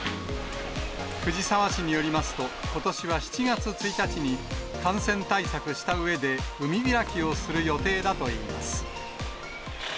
藤沢市によりますと、ことしは７月１日に、感染対策したうえで、海開きをする予定だといいます。